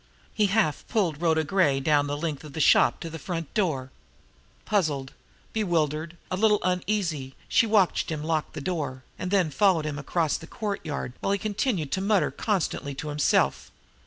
He half pulled Rhoda Gray down the length of the shop to the front door. Puzzled, bewildered, a little uneasy, she watched him lock the door, and then followed him across the courtyard, while he continued to mutter constantly to himself.